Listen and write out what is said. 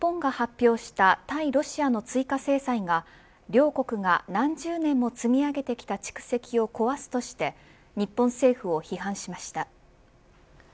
ロシアのガルージン駐日大使が日本が発表した対ロシアの追加制裁が両国が何十年も積み上げてきた蓄積を壊すとして日本政府を批判しました。